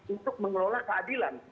untuk mengelola keadilan